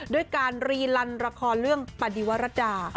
ด้วยการรีลันละครเรื่องปฏิวรรดา